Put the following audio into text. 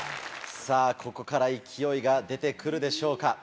さぁここから勢いが出て来るでしょうか？